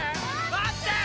待ってー！